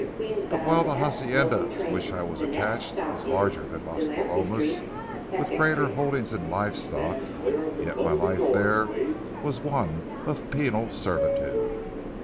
But while the hacienda to which I was attached was larger than Las Palomas, with greater holdings in live stock, yet my life there was one of penal servitude.